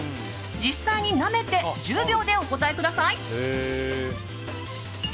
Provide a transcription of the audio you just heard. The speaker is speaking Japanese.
実際になめて１０秒でお答えください。